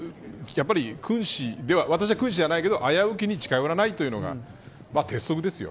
私は、君子じゃないけど危うきに近寄らないというのが鉄則ですよ。